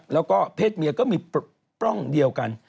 แล้วก็เพศเมียก็มีปล้องเดียวกัน